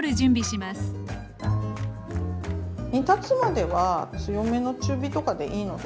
煮立つまでは強めの中火とかでいいので。